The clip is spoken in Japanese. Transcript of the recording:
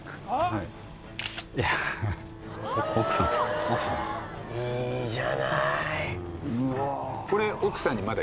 いいじゃないこれ